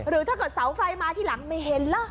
หรือถ้าเกิดเสาไฟมาที่หลังไม่เห็นล่ะ